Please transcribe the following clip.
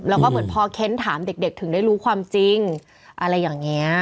แล้วก็เหมือนพอเค้นถามเด็กถึงได้รู้ความจริงอะไรอย่างนี้